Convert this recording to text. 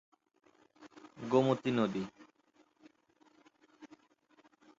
গোমতী নদী